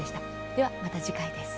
では、また次回です。